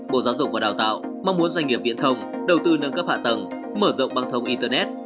bộ giáo dục và đào tạo mong muốn doanh nghiệp viễn thông đầu tư nâng cấp hạ tầng mở rộng băng thông internet